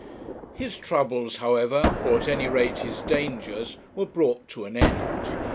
His troubles, however, or at any rate his dangers, were brought to an end.